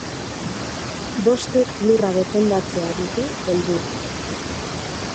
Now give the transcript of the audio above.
Bostek lurra defendatzea dute helburu.